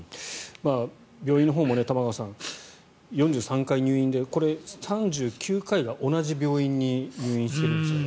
病院のほうも、玉川さん４３回入院でこれ、３９回が同じ病院に入院しているんですね。